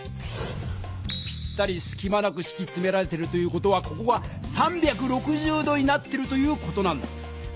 ぴったりすきまなくしきつめられてるという事はここが３６０度になってるという事なんだ。